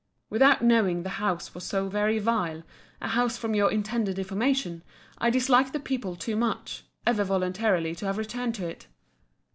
Without knowing the house was so very vile a house from your intended information, I disliked the people too much, ever voluntarily to have returned to it.